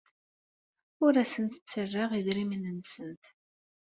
Ur asent-d-ttarraɣ idrimen-nsent.